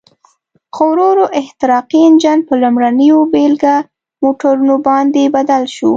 خو ورو ورو احتراقي انجن په لومړنیو بېلګه موټرونو باندې بدل شو.